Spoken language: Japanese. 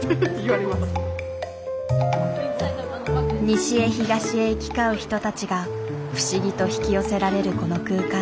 西へ東へ行き交う人たちが不思議と引き寄せられるこの空間。